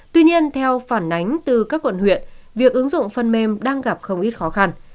tuy nhiên theo phản ánh từ các quận huyện việc ứng dụng phần mềm đang gặp không ít khó khăn